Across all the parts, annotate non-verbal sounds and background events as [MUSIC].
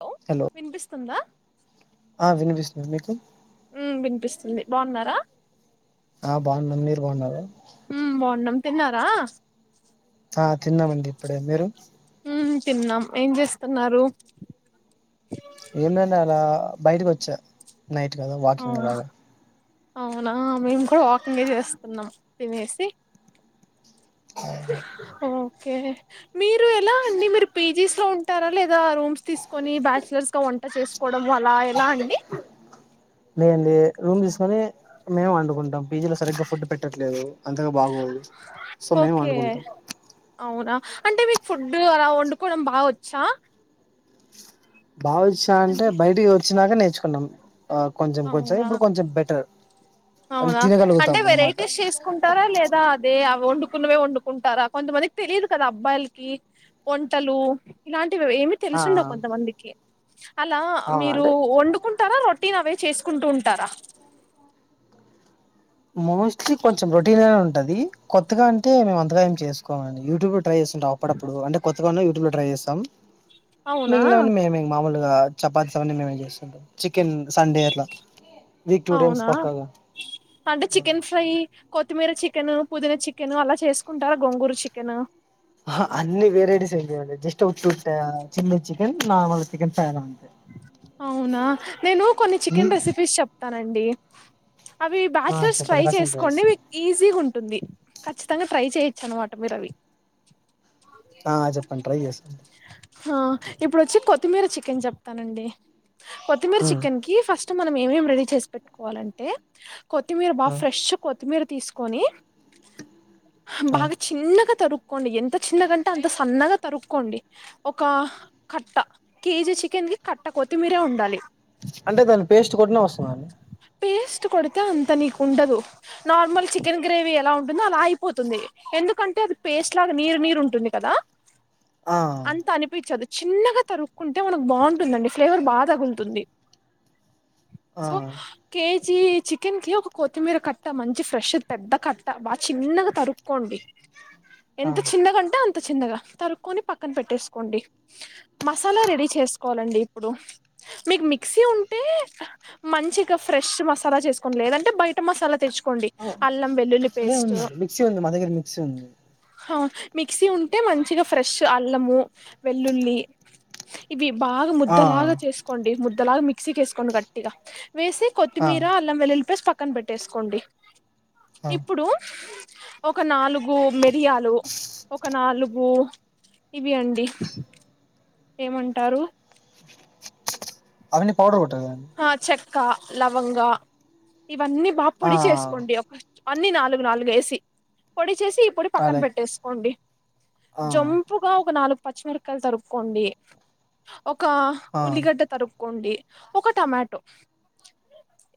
Hello వినిపిస్తుందా ఆ వినిపిస్తుంది మీకు ఉమ్ వినిపిస్తుంది బావున్నారా ఆ బాగున్నాం మీరు బాగున్నారు ఉమ్ బాగున్నాం తిన్నారా ఆ తిన్నామండి ఇప్పుడే మీరు హు తిన్నాం ఏం చేస్తున్నారు ఎందండి అలా బయటకొచ్చా నైట్ కదా ఆ వాకింగ్ అలాగా అవునా మేము కూడా వాకింగే చేస్తున్నాం తినేసి అ కే మీరు ఎలా అండి మీరు పీజీస్లో ఉంటారా లేదా రూమ్స్ తీసుకొని బ్యాచ్లర్స్గా వంట చేసుకోడం అలా ఎలా అండి లేండి రూమ్ తీసుకొని మేము వండుకుంటాం పీజీలో సరిగ్గా ఫుడ్ పెట్టట్లేదు అంతగా బాగోదు సో మేమే ఓకే వండుకుంటాం అవునా అంటే మీకు ఫుడ్ అలా వండుకోవడం బాగొచ్చా బాగొచ్చా అంటే బయటికి వచ్చినాక నే చ్చుకున్నాం ఆ కొంచెం కొంచెం అవునా ఇప్పుడు కొంచెం బెటర్ అని అవునా అంటే తినగలుగుతాం అనమాట వెరైటీస్ చేసుకుంటారా లేదా అదే వండుకున్నవే వండుకుంటారా కొంతమందికి తెలియదు కదా అబ్బాయిలకి వంటలు ఇల టివి ఏమి ఆ తెలుసుండవు కొంతమందికి అలా ఆ, అవును మీరు అంటే వండుకుంటారా రో టిన్ అవే చేసుకుంటూ ఉంటారా మోస్ట్లీ కొంచెం రొటీన్ లా ఉంటది కొత్తగా అంటే మేము అంతగా ఏం చేసుకోమండి యూట్యూబ్ ట్రై చేస్తుంటం అప్పుడప్పుడు అంటె కొత్తగా ట్రై చేస్తాం అవునా మిగిలినవన్ని మేమే మాములు ఆ చపాతీస్ అవన్నీ మేమే చేసుకుంటాం చికెన్ సండే అట్లా వీక్ టూ టైమ్స్ పక్కాగా అంటె చికెన్ ఫ్రై కొత్తిమీర చికెన్ పుదీనా చికెన్ అలా చేసుకుంటారా గొంగూరు చికెన్ అహా అన్ని వేరైటీస్ ఏం చెయ్యమండి జస్ట్ ఉ ఆ చిల్లీ చికెన్ నార్మల్ చికెన్ పెడతాను అవునా నేను కొన్ని మీ చికెన్ రెసిపీస్ చెప్తానండి అవి ఆ బ్యాచ్లర్స్ ట్రై చెప్పండి రసం ప్లేస్ చేసుకోండి మీకి ఈజీగా ఉంటుంది ఖచ్చి ఖచ్చితంగా ట్రై చేయొచ్చు అనమాట మీరు అవి ఆ చెప్పండి ట్రై చేస్ హా ఇప్పుడు వచ్చి కొత్తిమీర చికెన్ చెప్తానండి కొత్తిమీర ఉమ్ చికెన్ కి ఫస్ట్ మనం ఏమేం రెడీ చేసి పెట్టుకోవాలంటే కొతిమీర్ బా ఆ ఫ్రెష్ కొత్తిమీర్ తీసుకొని ఆ బాగా చిన్నగా తరు కోండి ఎంత చిన్నగంటే అంత సన్నగా తరుక్కోండి ఒక కట్ట కేజీ చికెన్ కి కట్ట కొత్తిమీరే ఉండాలి అంటే దాని పేస్ట్ కొట్టినా వస్తుందండీ పేస్ట్ కొడితే అంత నీకు ఉండదు నార్మల్ చికెన్ గ్రేవీ ఎలా ఉంటుందో అలా అయిపోతుంది. ఎందుకంటే అది పేస్ట్ లాగా నీరు నీరు ఉంటుంది కదా ఆ అంత అనిపించదు చిన్నగా తరుక్కుంటే మనకు బాగుంటుందండి ఫ్లేవర్ బాగా తగులుతుంది ఆ సో కే జీ చికెన్ కి ఒక కొత్తిమీర కట్ట మంచి ఫ్రెష్ది పెద్ద కట్ట బాగా చిన్నగా తరుక్కోండి. ఆ ఎంత చిన్న అంటే అంత్ అంత చిన్నగా తరుకొని పక్క పక్కన పెట్టేసుకోండి మసాలా రెడీ చేసుకోవాలండి ఇప్పుడు మీకు మిక్సీ ఉంటే మంచిగా ఫ్రెష్ మసాలా చేసుకోం లేదంటే బయట మసాలా తెచ్చు ఆ లే ఉందండి మిక్సీ ఉంది మా దగ్గర మిక్సీ ఉంది. హా మిక్సీ ఉంటే మంచిగా ఫ్రెష్ టు అల్లము వెల్లుల్లి ఇవి బాగా ఆ ముద్దలాగా చేసుకోండి ముద్ ద్దలాగ మిక్సీకేసుకోండి గట్టిగా వేసి ఆ కొత్తిమీర అల్లం వెల్లుల్లి పేస్ట్ పక్ క్కన పెట్టేసుకోండి ఆ ఇప్పుడు ఒక నాలుగు మిరియాలు ఒక నాలుగు ఇవి అండి ఏమంటారు అవన్నీ పౌడర్ గొ హా చె క్క లవంగా ఇవన్నీ బా ఆ పొడి చేసుకోండి ఒక అన్నీ నాలుగు నాలుగు ఏసి పొడి చేసి ఈ పొడి పక్కన అదే పెట్టేసుకోండి ఆ జంపుగా ఒక నాలుగు పచ్చిమిరక్కాయలు తరుక్కోండి ఒక ఆ ఉల్లిగడ్డ తరు కోండి ఒక టమాటో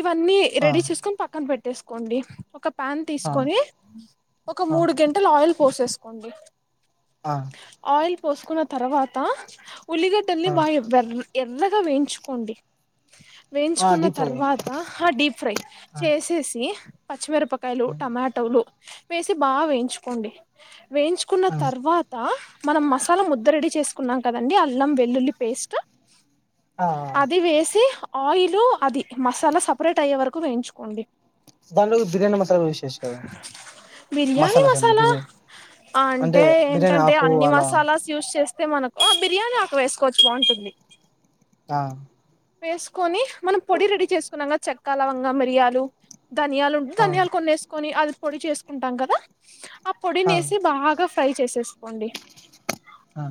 ఇవన్నీ ఆ ఆ రెడీ చేసుకొని పక్కన పెట్టేసు కోండి ఒక పాన్ తీసుకొని ఒక ఆ మూడు గెంటెలు ఆయిల్ పోసేసుకోండి ఆ ఆయిల్ పోసుకున్న తర్వాత ఉలిగడ్డల్ని ఆ బా ఎర్రా వేయించుకోండి ఆ వేయించుకున్న డీప్ ఫ్రై తర్వాత ఆ డీప్ ఫ్రై ఆ చేసేసి పచ్చమేర పకాయలు టొమాటోలు వేసి బా వేయించుకోండి వేయించుకున్న ఆ తర్వాత మనం మసాలా ముద్ద రెడీ చేసుకున్నాం కదండి అల్లం వెల్లుల్లి పేస్ట్ ఆ అది వేసి ఆయిల్ అది మసాలా సపరేట్ అయ్యే వరకు వేయించుకోండి దానిలో బిర్యానీ మసాలా ఉస్ చెయ్యచ్చు కదా బిర్యానీ మసాలాస్ అన్ని మసాలా బిర్యాని అంటే బిర్యానీ ఆకు అలా తే మనకు ఆ బిర్యానీ అకు వేసుకోవచ్చు బాగుంటుంది ఆ వేసుకొని మనం పొడి రెడీ చేసుకున్నాం చెక్క లవంగ మరియాలు ధనియాలు ఉండి ఆ ధనియాలు కొనేేసుకొని అది పొడి చేసుకుంటాం కదా ఆ పొడినేసి బాగా ట్రై చేసేసుకోండి ఆ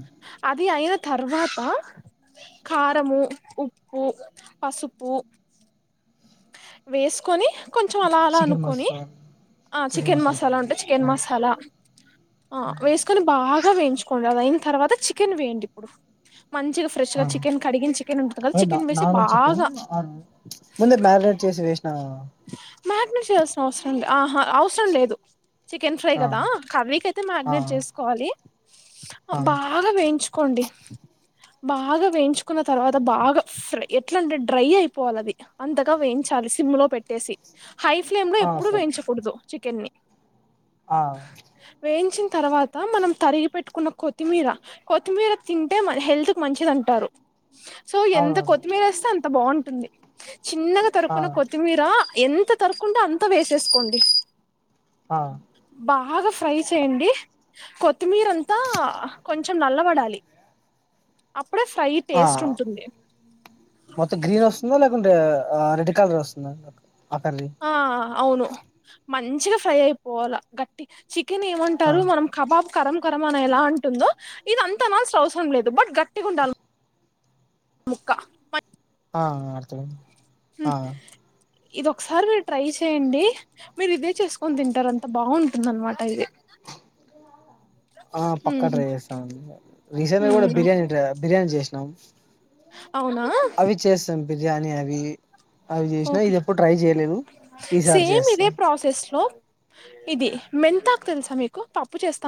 అది ఐన తర్వాత కారము ఉ పూ పసుపు వేసుకొని కొంచెం అలా అలా చికెన్ అనుకోని మసాలా ఆ చికెన్ మసాలా ఉంటే చికెన్ మసాలా అ వేసుకొని బాగా వేయించుకోండి అదైనా తర్వాత చికెన్ వేయండి ఇప్పుడు మంచిగా ఫ్రెష్ గా ఆ చికెన్ కడిగిన చికెన్ ఉంటుంది కదా అంటే నా చికెన్ వేసి నార్మల్ బాగా వేసినావా మ్యారినేట్ చేయాల్సిన అవసరం ఆహ అవసరం లేదు చికెన్ ఫ్రై ఆ కదా కర్రీకి అయితే ఆ మ్యారినేట్ చేసుకోవాలి ఆ బాగా వేయించు కొండి బాగా వేయించుకున్న తర్వాత బాగా ఫ్రై ఎట్లాంటే డ్రై అయిపోవాలి అది అంత కో వేయించాలి సిమ్ లో పెట్టేసి హై ఫ్లేమ్ లో ఆ ఎప్పుడూ సార్ వేయించకూదు చి కెన్ని ఆ తరవాత మనం తరిగి పెట్టుకున్న కొత్తిమీర కొత్తిమీర తింటే మ హెల్త్ కు మంచిదంటారు సో ఎంత అవునవును కొత్తిమీరేస్తే అంత బావుంటుంది చిన్నగా ఆ తరుక్కున్న కొత్తిమీర ఎంత తరుక్కుంటే అంత వేసేసుకోండి ఆ బాగ ఫ్రై చేయండి కొత్తిమీర అంతా కొంచెం నల్లబడాలి అప్పుడే ఫ్రై ఆ టేస్ట్ ఉంటుంది మొత్తం గ్రీన్ వస్తుందా లేక టే రెడ్ కలర్ వస్తుందండి అతన్ని ఆ అవును మంచిగా ఫ్రై అయిపోవాల గట్టి చి [UNINTELLIGIBLE] ఆ ఏమంటారు మనం కబాబ్ కరం గరం అని ఎలా అంటుందో ఇది అంత అనాల్సిన అవసరం లేదు బట్ గట్టిగా ఉండాలి ముక్క ఆ అర్థమైయింది ఆ ఇది ఒకసారి మీరు ట్రై చేయండి, మీరు ఇదే చేసుకొని తింటారు అంత బాగుంటుంది అనమాట ఇది ఆ పక్కా ఉహు, ట్రై చేస్తామండి రీసెంట్ గా కూడా ఉహు. బిర్యానీ ట్రై బిర్యానీ చేసినాం అవునా అవి చేస్తాం బిర్యానీ అవి అవి చేసినా ఓకే ఇది ఎప్పుడు ట్రై చేయలేదు ఈ సారి సేమ్ ఇదే చేస్తాం ప్రాసెస్ లో ఇది మెంతాకు తెలుసా మీకు పప్పు చేస్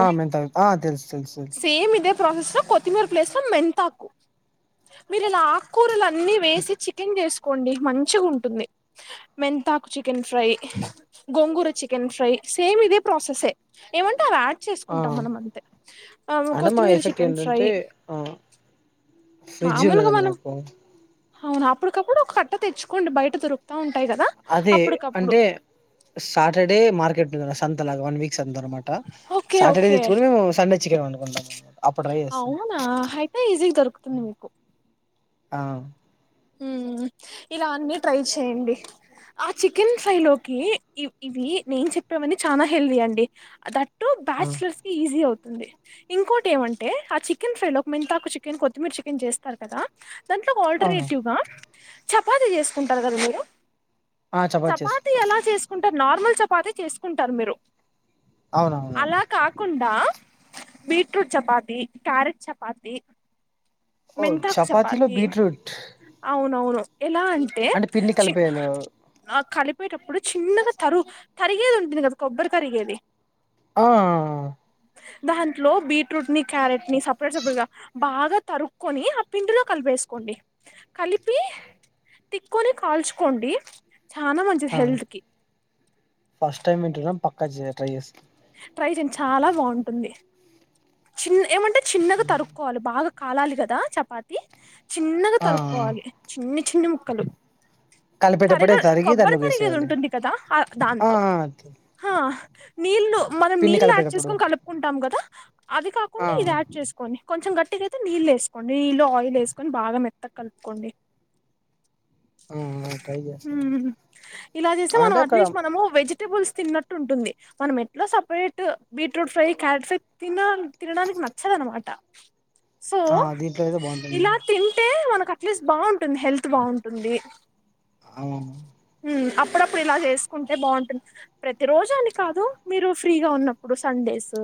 ఆ మెంతా ఆ తెలుసు తెలుసు తెలుసు సేమ్ ఇదే ప్రాసెస్ లో కొత్తిమీర ప్లేస్ లో మెంతాకు మీరు ఇలా ఆక్కూరలా ఆన్నీ వేసి చికెన్ చేసు కోండి మంచిగుంటుంది మెంతాకు చికెన్ ఫ్రై గోంగూర చికెన్ ఫ్రై సేమ్ ఇదే ప్రాసెస్సే ఏమంటారా ఆ చేసుకుంటాం మనం అంతే ఆ అంటే మా కొత్తిమీర ఎఫెక్ట్ చికెన్ ఫ్రై ఏంటంటే ఆ ఫ్రిడ్జ్ మాములుగా ఉండదండి మనం మాకు హవును అప్పుడు క ప్పుడు ఒక కట్ట తెచ్చుకోండి బయట దొరుకుతావున్ అదే అంటే సాటర్డే మార్కెట్ కదా సంత లగా వన్ వీక్ అనమాట ఓకే సాటర్డే ఓకే తెచ్చుకని మేము సండే చికెన్ వండుకుంటాం అప్పుడు ట్రై చేస్తాం అవునా అయితే ఈజీ గా దొరుకుతుంది మీకు ఆ ఇలా అన్నీ ట్రై చెయండి ఆ చికెన్ ఫ్రై లోకి ఇవి నేను చెప్పేవన్నీ చాలా హెల్దీ అండి దట్ టు ఆ బ్యాచచ్లర్స్కి ఈజీ అవుతు ఇంకోటి ఏమంటే ఆ చికెన్ ఫ్రై లో ఒక మొంతాకు చికెన్ కొత్తిమీర చికెన్ చేస్తారు కదా దాంట్లో అవును వోల్టర్నేట్ చపాతి చేసుకుంటారు కదా మీరు ఆ చపాతి చేస్తాం ఎలా చేసుకుంటా నార్మల్ చపాతే చేసుకుంటారు మీరు అవునవును అలా కాకుండా బీట్రూట్ చపాతీ క్యారెట్ చపాతీ ఓ మెంతాకు చపాతీలో చపాతి బీట్రూట్ అవును అవును ఎలా అంటే పిండి చిం కలిపేయలో ఆ కలిప్ కలిపేటప్పుడు చిన్నగా తరుగు తరిగేది ఉంటుంది కదా కొబ్బరి తరిగేది ఆ దాంట్లో బీట్రూట్ని క్యారెట్ని సపరేట్ సపరేట్గా బాగా తరుక్కొని ఆ పిండిలో కలిపేసుకోండి కలిపి తిక్కొని కాల్చుకోండి. చానా మంచిది ఆ హెల్త్ కి క్కా జేయ ట్రై చేస్తా ట్రై చేయండి చాలా బాగుంటుంది చిన్న ఏమంటే చిన్నగ తరుక్కోవాలి బాగా కాలాలి గదా చపాతీ చిన్నగ ఆ తరుక్కోవాలి చిన్నీ చిన్న ముక్కల తరిగ కలిపేటప్పుడే తరిగి కొబ్బరి దాంట్లోకి తరిగేది వేసేయాలి ఉంటుంది కదా ఆ దాంతో హా నీళ్ళు మనం పిండి నీళ్లు ఆడ్ కలిపేటప్పుడు చేసుకొని కలుపుకుంటాం గదా అది ఆ కాకుండా ఇది ఆడ్ చేసుకొని కొంచం గట్ ఇట్కైతే నీళ్ళు ఎసుకోండి నీళ్లో ఆయిల్ ఎసుకొని బాగా మెత్తగా కలుపుకోండి ఆ ట్రై చేస్తాను ఊహు ఇలా చేస్తే మనం అంటే అక్కడ అట్లీస్ట్ మనమూ వెజ్ ఉట్టి పులుసు తిన్నట్టు ఉంటుంది మనమే లో separate beetroot fry carrot fry తినా తినడానికి నచ్చదు అనమాట సో ఆ దీంట్లో అయితే బాగుంటుంది ఇలా తింటే మనక్ అట్లీస్ట్ బాగుంటుంది హెల్త్ బాగుంటుందీ ఆమమ్ హు అప్పుడప్పుడు ఇలా చేసుకుంటే బావుంటుంది ప్రతి రోజూ అని కాదు మీరు ఫ్రీగా ఉన్నప్పుడు సండేస్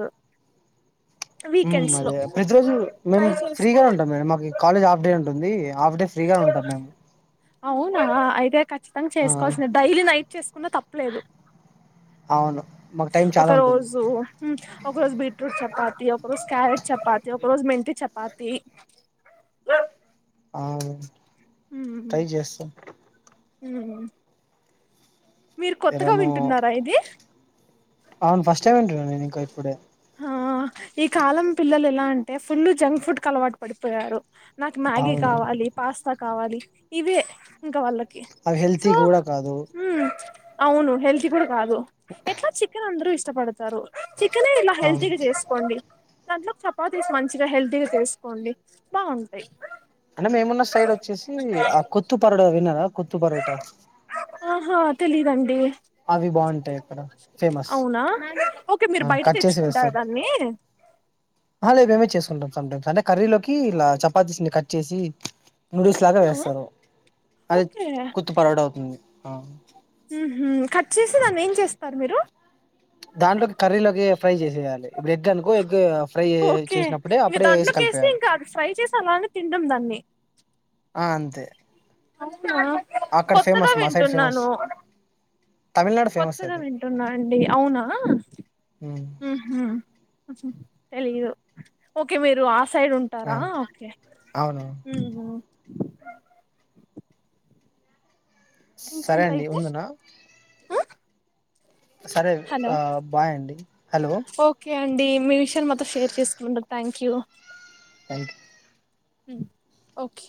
ఉమ్ వీకెండ్స్ లో అదే ప్రతిరోజూ మేం ట్రై చేస్తే ఫ్రీగానే ఉంటాం మేడమ్ మాకు కాలేజ్ హాఫ్ డే టుంది హాఫ్ డే ఫ్రీ గా ఉంటాం మేం అవునా అయితే ఖ చ్చితంగా చేసుకోవాల్సిందే డైలీ నైట్ చేస్ కున్నా తప్పులేదు అవును మాకు టైం చాలా ఉంటుంది ఉమ్, ఒక రోజు బీట్రూట్ చపాతీ ఒక రోజు క్యారెట్ చపాతీ ఒక రోజు మెంతి చపాతీ అవును ట్రై చేస్తా హ్మ్ మీరు కొత్తగా ఎరను వింటున్నారా ఇదీ అవును ఫస్ట్ టైమ్ వింటున్న నేను ఇంకో ఇప్పుడే ఆ ఈ కాలం పిల్లలు ఎలా అంటే ఫుల్ జంక్ ఫుడ్ కు అలవాటు పడిపోయారు. నాకు మ్యాగీ అవును కావాలీ పాస్తా క కావాలీ ఇవే ఇంకా వాళ్ళక్ అవి హెల్తీ గూడా కాదు అవును హెల్త్ ఇప్పుడు కాదూ ఎట్లా చికెన్ అంద్రూ ఇస్ ఇష్ట పడుత్ తరు చికినే ఇలా హెల్త్ అవును కొద్దీగ చేసుకోండి దాంట్లో చపాతీస్ మంచిగా హెల్తీగా తీసుకోండి బాగుంటాయి అంటే మేమున్న సైడ్ వచ్చేసి ఆ కొత్తు పరటా విన్నార కొత్తూ పరోటా ఆహా తెలీదండి అవి బాగుంటాయి అక్కడ ఫేమస్, అవునా ఓకే అ మీరు బయట కట్ చేసి తెచ్చుకుంటారు వేస్తారు దాన్ని హాలేే మేమే చేసుకుంటాం సమ్టైమ్స్ అంటే కర్రీలో కి ఇలా చపాతీస్స్ కట్ చేసి నూడిల్స్ లాగా వేస్తారు అది ఓకే కుత్తూ పరోటా అవుతుంది ఆ ఉహు కట్ చేసి దాన్ని ఏం చేస్తారు మీరు దాంట్లోకి కర్రీలోకి ఫ్రై చేసి చేయాలి ఇప్పుడు ఎగ్ అనుకో ఎగ్ ఫ్రై ఓకే చేసినప్పుడే ఇంకా అప్పుడే వేసి దాంట్లోకేసి కలిపేయాలి ఇంకా అది ఫ్రై చేసి అలానే తినడం దాన్ని ఆ అంతే [UNINTELLIGIBLE] అక్కడ కొత్తగా ఫేమస్ మా సైడ్ ఫేమస్ వింటున్నాను తమిళనాడు ఫేమస్ కొత్తగా అది వింటున్నా అండి అవునా ఉమ్ తెలీదు ఓకే మీరు ఆ సైడ్ ఆ ఉంటారా ఓకే అవును ఉహు సరే అండి ఇంకెంతైతే ఉందునా సరే బాయ్ అండి హలో ఓకే అండి మీ విషయాలు మాతో షేర్ చేసుకుంనారు థ్యాంక్ యూ థ్యాంక్యూ హు ఓకే